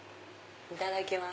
いただきます。